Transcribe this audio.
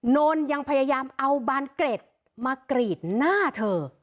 นนยังพยายามเอาบานเกร็ดมากรีดหน้าเธอ